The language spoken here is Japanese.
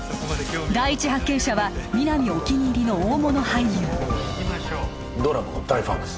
第一発見者は皆実お気に入りの大物俳優ドラマの大ファンです